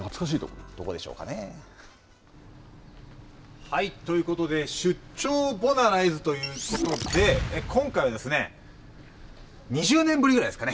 どこでしょうかねえ。ということで出張ボナライズということで今回はですね、２０年ぶりぐらいですかね。